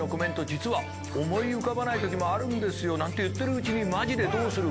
実は思い浮かばないときもあるんですよ。なんて言ってるうちにＭａｊｉでどうする５秒前だ。